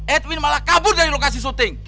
edwin malah kabur dari lokasi syuting